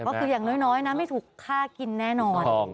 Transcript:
ก็คืออย่างน้อยนะไม่ถูกฆ่ากินแน่นอน